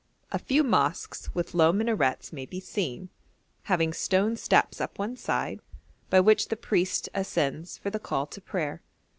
A few mosques with low minarets may be seen, having stone steps up one side, by which the priest ascends for the call to prayer.